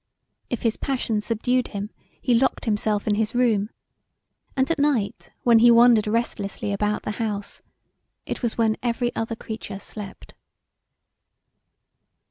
If his passion subdued him he locked himself in his room; and at night when he wandered restlessly about the house, it was when every other creature slept.